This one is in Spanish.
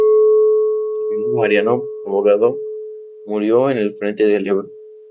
Su hermano Mariano, abogado, murió en el frente del Ebro.